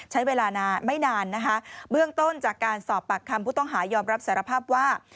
ใช้เวลาไม่นานนะคะเบื้องต้นจากการสอบปากคำผู้ต้องหายอมรับสารภาพว่า